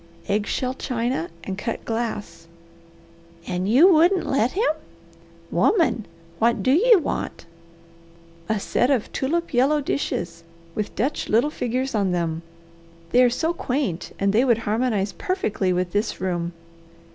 "Egg shell china and cut glass." "And you wouldn't let him! Woman! What do you want?" "A set of tulip yellow dishes, with Dutch little figures on them. They are so quaint and they would harmonize perfectly with this room."